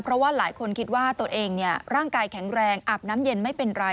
เพราะว่าหลายคนคิดว่าตัวเองร่างกายแข็งแรงอาบน้ำเย็นไม่เป็นไร